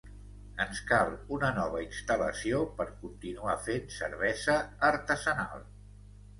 Ens cal una nova instal·lació per continuar fent cervesa artesanal.